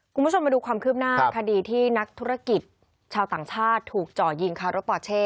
คุณผู้ชมมาดูความคืบหน้าคดีที่นักธุรกิจชาวต่างชาติถูกจ่อยิงคารถปอเช่